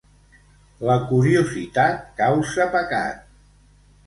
La curiositat causa pecat.